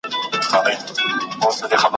د غوڅولو اعلان کړی وو ,